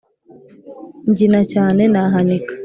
Mbyina cyane nahanika